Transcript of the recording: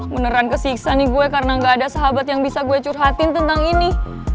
beneran kesiksa nih gue karena gak ada sahabat yang bisa gue curhatin tentang ini